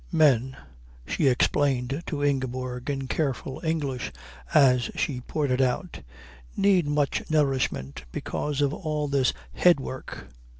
"Men," she explained to Ingeborg in careful English as she poured it out, "need much nourishment because of all this head work."